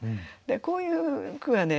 こういう句はね